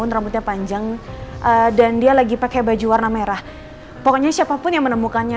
sampai jumpa di video selanjutnya